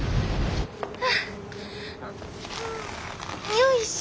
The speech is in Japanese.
んよいしょ！